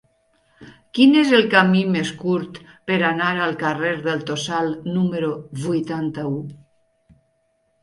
Quin és el camí més curt per anar al carrer del Tossal número vuitanta-u?